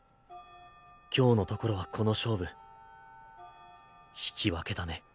今日のところはこの勝負引き分けだね。